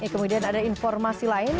kemudian ada informasi lain